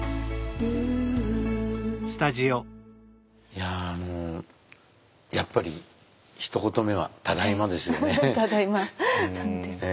いやもうやっぱりひと言目は「ただいま」ですよね。